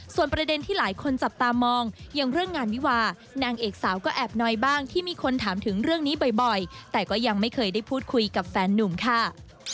ส่วนประเด็นที่หลายคนจับตามองอย่างเรื่องงานวิวานางเอกสาวก็แอบน้อยบ้างที่มีคนถามถึงเรื่องนี้บ่อยแต่ก็ยังไม่เคยได้พูดคุยกับแฟนนุ่มค่ะ